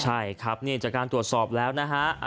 ใช่ครับนี่จากการตรวจสอบแล้วนะฮะ